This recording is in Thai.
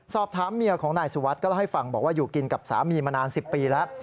สอบถามเมียของนายสุวัสดิก็เล่าให้ฟังบอกว่าอยู่กินกับสามีมานาน๑๐ปีแล้ว